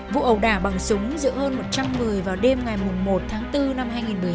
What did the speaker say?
vụ ẩu đà bằng súng giữa hơn một trăm một mươi vào đêm ngày một tháng bốn năm hai nghìn một mươi hai